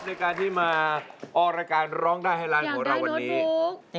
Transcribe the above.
ในการที่มาออกรายการร้องได้ให้ร้านของเราวันนี้